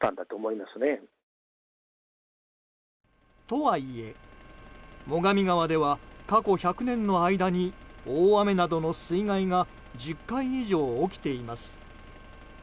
とはいえ最上川では過去１００年の間に大雨などの水害が１０回以上起きています。